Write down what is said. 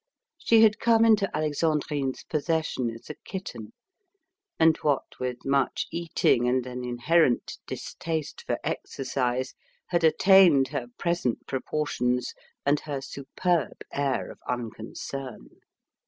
She had come into Alexandrine's possession as a kitten, and, what with much eating and an inherent distaste for exercise, had attained her present proportions and her superb air of unconcern.